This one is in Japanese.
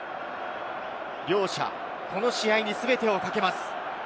両者この試合に全てをかけます。